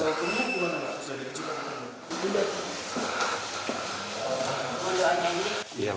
sama prosesnya sudah diajukan